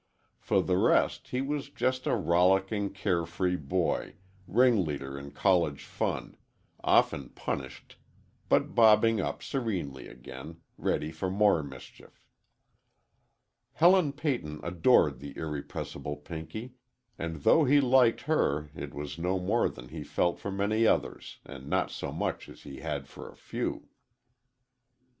For the rest, he was just a rollicking, care free boy, ring leader in college fun, often punished, but bobbing up serenely again, ready for more mischief. Helen Peyton adored the irrepressible Pinky, and though he liked her, it was no more than he felt for many others and not so much as he had for a few.